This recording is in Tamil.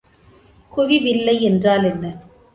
குவிவில்லை என்றால் என்ன?